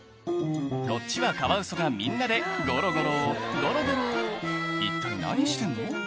こっちはカワウソがみんなでゴロゴロゴロゴロ一体何してんの？